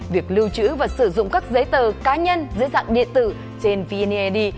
việc lưu trữ và sử dụng các giấy tờ cá nhân dưới dạng điện tử trên vned